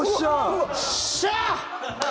よっしゃあ！